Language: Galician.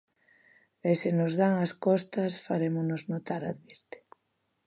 "E se nos dan as costas, farémonos notar", advirte.